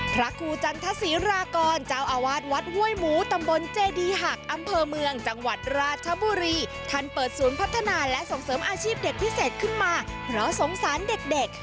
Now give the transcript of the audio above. พระครูจันทศิรากรเจ้าอาวาสวัดห้วยหมูตำบลเจดีหักอำเภอเมืองจังหวัดราชบุรีท่านเปิดศูนย์พัฒนาและส่งเสริมอาชีพเด็กพิเศษขึ้นมาเพราะสงสารเด็กเด็ก